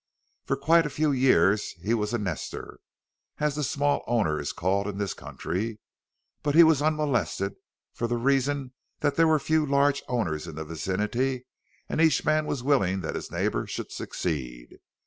For quite a few years he was a nester as the small owner is called in this country, but he was unmolested for the reason that there were few large owners in the vicinity and each man was willing that his neighbor should succeed.